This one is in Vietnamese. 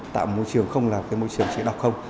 tạo môi trường không là môi trường chỉ đọc không